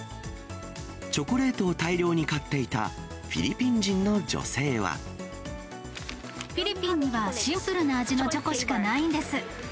チョコレートを大量に買っていたフィリピンには、シンプルな味のチョコしかないんです。